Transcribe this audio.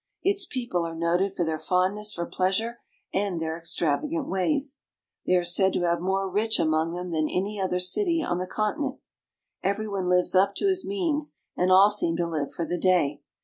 Its people are noted for their fondness for pleasure and their extravagant ways. They are said to have more rich among them than any other city on the Continent. Every one lives up to his means and all seem to live for the day.